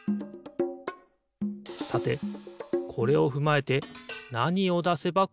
さてこれをふまえてなにをだせばこの装置にかてるか？